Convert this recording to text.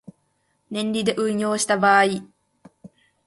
年利で運用した場合